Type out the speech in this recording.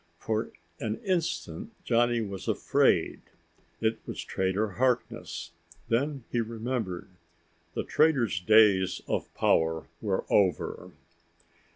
For an instant Johnny was afraid. It was Trader Harkness. Then he remembered the trader's days of power were over.